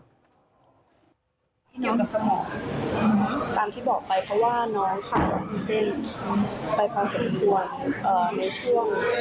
ที่นี่กับสมองตามที่บอกไปเพราะว่าน้องผ่านออกซิเจนไปผ่านเสร็จห่วง